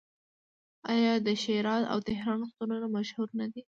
آیا د شیراز او تهران روغتونونه مشهور نه دي؟